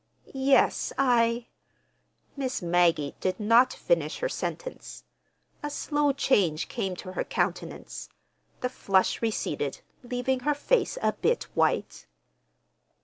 "Yes, I—" Miss Maggie did not finish her sentence. A slow change came to her countenance. The flush receded, leaving her face a bit white.